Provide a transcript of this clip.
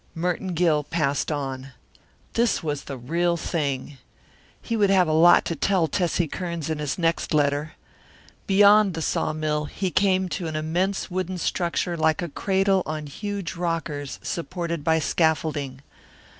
Merton Gill passed on. This was the real thing. He would have a lot to tell Tessie Kearns in his next letter. Beyond the sawmill he came to an immense wooden structure like a cradle on huge rockers supported by scaffolding.